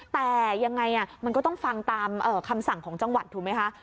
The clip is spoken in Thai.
แต่ยังไงมันก็ต้องฟังตามคำสั่งของจังหวัดถูกไหมคะ